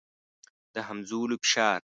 د همځولو فشار.